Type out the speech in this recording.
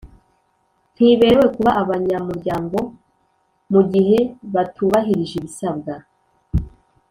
ntiberewe kuba abanyamuryango mu gihe batubahirije ibisabwa